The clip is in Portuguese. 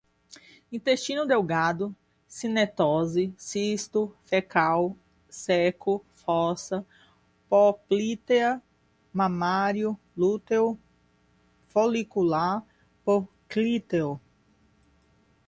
intestino delgado, cinetose, cisto, fecal, ceco, fossa poplítea, mamário, lúteo, folicular, poplíteo